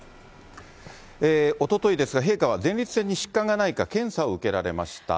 おとといですが、陛下は前立腺に疾患がないか検査を受けられました。